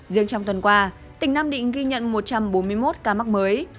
riêng trong tuần qua tỉnh nam định ghi nhận một trăm bốn mươi một ca mắc mới